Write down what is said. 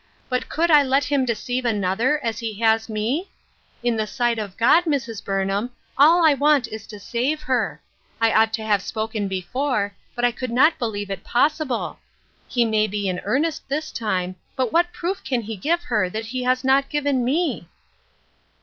But could I let him deceive an other as he has me ? In the sight of God, Mrs. Burnham, all I want is to save her ; I ought to have spoken before, but I could not believe it pos sible. He may be in earnest this time, but what proof can he give her that he has not given me